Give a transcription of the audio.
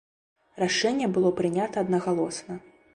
Рашэнне было прынята аднагалосна.